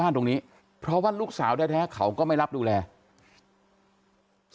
แข็งแข็งแข็งแข็งแข็งแข็งแข็งแข็งแข็ง